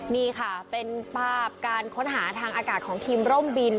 นี่ค่ะเป็นภาพการค้นหาทางอากาศของทีมร่มบิน